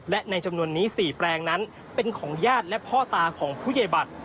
และในจำนวนนี้๔แปลงนั้นเป็นของญาติและพ่อตาของผู้ใหญ่บัตร